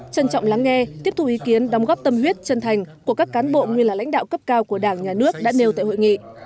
trân trọng lắng nghe tiếp thu ý kiến đóng góp tâm huyết chân thành của các cán bộ nguyên là lãnh đạo cấp cao của đảng nhà nước đã nêu tại hội nghị